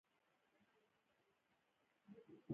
یخچالونه د اوبو مهم زیرمه دي.